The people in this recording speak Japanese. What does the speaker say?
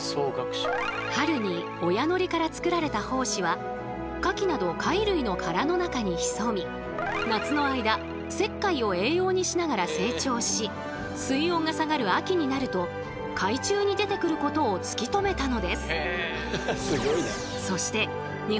春に親海苔から作られた胞子は牡蠣など貝類の殻の中に潜み夏の間石灰を栄養にしながら成長し水温が下がる秋になると海中に出てくることを突き止めたのです。